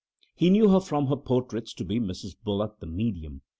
He knew her from her portraits to be Mrs. Bullock, the medium.